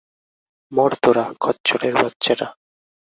মর তোরা, খচ্চরের বাচ্চারা।